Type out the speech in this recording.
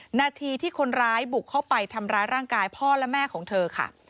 นาทีที่คนร้ายบุกเข้าไปทำร้ายร่างกายพ่อและแม่ของเธอค่ะ